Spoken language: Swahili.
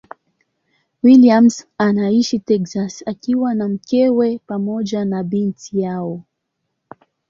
Williams anaishi Texas akiwa na mkewe pamoja na binti yao.